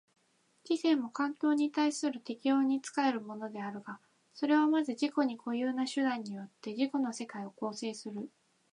知性も環境に対する適応に仕えるものであるが、それはまず自己に固有な手段によって自己の世界を構成する。